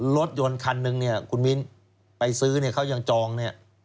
รถยนต์คันนึงเนี่ยคุณมิ้นไปซื้อเนี่ยเขายังจองเนี่ย